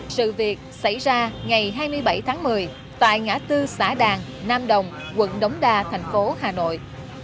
sự việc xảy ra ngày hai mươi bảy tháng một mươi tại ngã tư xã đàn nam đồng quận đống đa thành phố hà nội